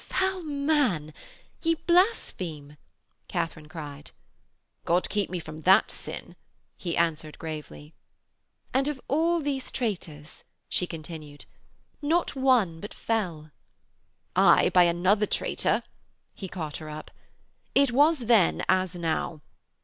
'Foul man, ye blaspheme,' Katharine cried. 'God keep me from that sin,' he answered gravely. ' And of all these traitors,' she continued, 'not one but fell.' 'Aye, by another traitor,' he caught her up. 'It was then as now.